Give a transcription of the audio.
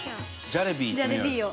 ジャレビーを。